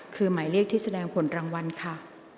คือหมายเลขที่แสดงผลรางวัลค่ะ